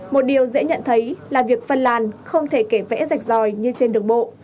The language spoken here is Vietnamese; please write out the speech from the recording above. một điều dễ nhận thấy là việc phân làn không thể kể vẽ rạch ròi như trên đường bộ